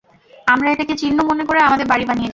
আমরা এটাকে চিহৃ মনে করে আমাদের বাড়ি বানিয়েছি।